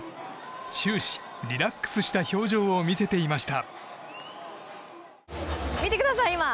終始リラックスした表情を見せていました。